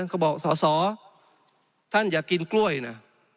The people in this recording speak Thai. ก็บอกสอสอท่านอยากกินกล้วยนะ